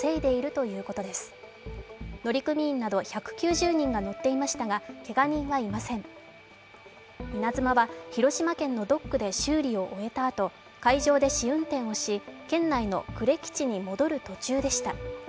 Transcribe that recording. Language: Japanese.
「いなづま」は広島県のドックで修理を終えたあと会場で試運転をし県内の呉基地に戻る途中でした。